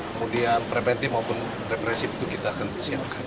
kemudian preventif maupun represif itu kita akan siapkan